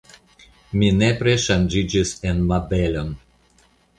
Mi nepre ŝanĝiĝis en Mabelon.